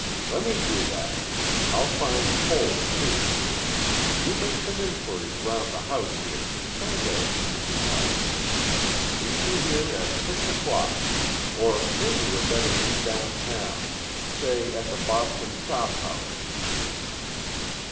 "Lemme do that. I'll find Cole, too. You make some inquiries round the house here, kinda easy like. Meet you here at six o'clock. Or mebbe we'd better meet downtown. Say at the Boston Chop House."